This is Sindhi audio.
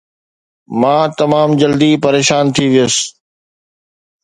مان تمام جلدي پريشان ٿي ويس